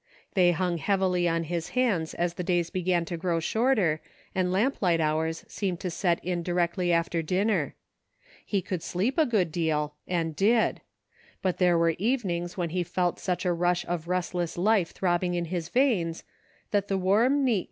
They hung heavily on his hands as the days began to grow shorter and lamp light hours seemed to set in directly after dinner. He could sleep a good deal, and did ; but there were evenings when he felt such a rush of restless life throbbing in his veins, that the warm, neat GROWING "NECESSARY."